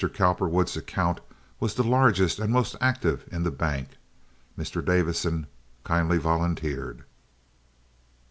Cowperwood's account was the largest and most active in the bank, Mr. Davison kindly volunteered.